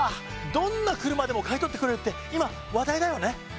どんな車でも買い取ってくれるって今話題だよね。